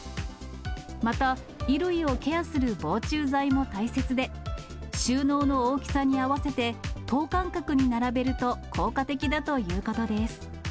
また、衣類をケアする防虫剤も大切で、収納の大きさに合わせて、等間隔に並べると、効果的だということです。